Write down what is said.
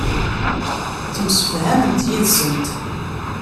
Ttemsefhament yid-sent.